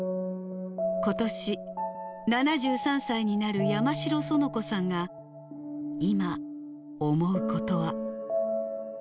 ことし７３歳になる山城園子さんが、今、思うことは。